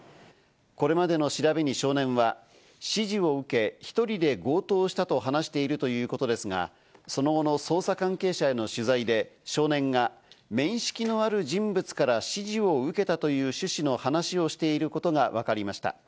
これまでの調べに少年は、指示を受け、１人で強盗したと話しているということですが、その後の捜査関係者への取材で、少年が面識のある人物が指示を受けたという趣旨の話をしていることがわかりました。